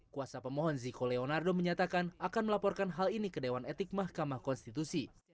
kuasa pemohon ziko leonardo menyatakan akan melaporkan hal ini ke dewan etik mahkamah konstitusi